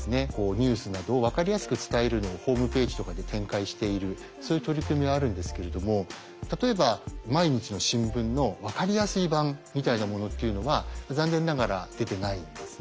ニュースなどをわかりやすく伝えるのをホームページとかで展開しているそういう取り組みはあるんですけれども例えば毎日の新聞のわかりやすい版みたいなものっていうのは残念ながら出てないですね。